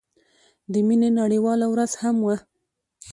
د مينې نړيواله ورځ هم وه.